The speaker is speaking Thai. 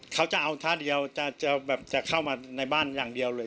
เขาจะเอาท่าเดียวจะแบบจะเข้ามาในบ้านอย่างเดียวเลย